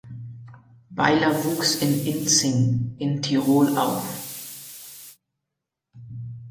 Beiler wuchs in Inzing in Tirol auf.